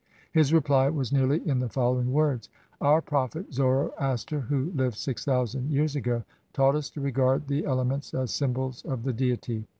His reply was nearly in the following words: "Our Prophet Zoroaster, who lived six thousand years ago, taught us to regard the ele ments as symbols of the Deity.